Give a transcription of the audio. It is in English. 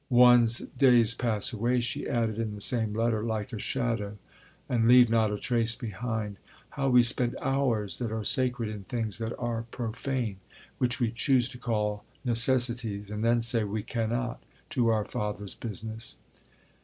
"One's days pass away," she added in the same letter, "like a shadow, and leave not a trace behind. How we spend hours that are sacred in things that are profane, which we choose to call necessities, and then say 'We cannot' to our Father's business."